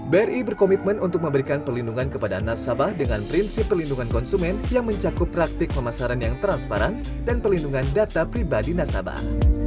bri berkomitmen untuk memberikan perlindungan kepada nasabah dengan prinsip perlindungan konsumen yang mencakup praktik pemasaran yang transparan dan perlindungan data pribadi nasabah